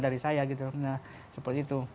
dari saya gitu nah seperti itu